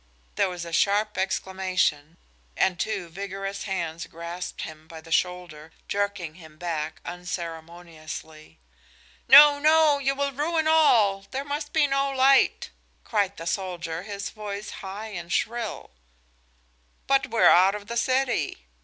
There was a sharp exclamation, and two vigorous hands grasped him by the shoulder, jerking him back unceremoniously. "No! No! You will ruin all! There must be no light," cried the soldier, his voice high and shrill. "But we are out of the city."